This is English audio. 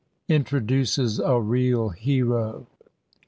INTRODUCES A REAL HERO.